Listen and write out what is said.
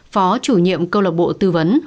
phó chủ nhiệm câu lạc bộ tư vấn